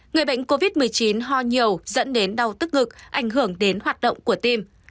người bệnh covid một mươi chín ho nhiều dẫn đến đau tức ngực ảnh hưởng đến hoạt động của tim